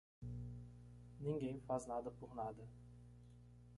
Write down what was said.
Ninguém faz nada por nada.